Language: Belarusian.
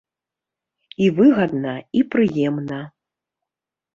І выгадна, і прыемна.